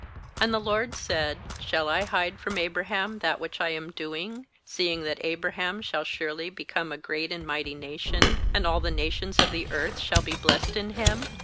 17And the LORD said: 'Shall I hide from Abraham that which I am doing; 1$seeing that Abraham shall surely become a great and mighty nation, and all the nations of the earth shall be blessed in him?